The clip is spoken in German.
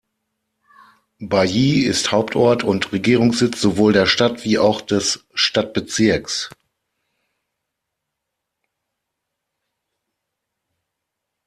Bayi ist Hauptort und Regierungssitz sowohl der Stadt wie auch des Stadtbezirks.